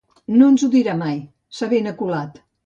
No ens ho dirà mai: s'ha ben aculat.